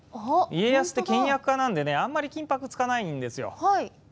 家康って、倹約家なんでねあまり金ぱく使わないんですよ。